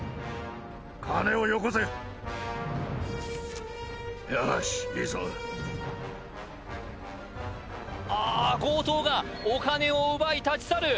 金をよこせよしいいぞあ強盗がお金を奪い立ち去る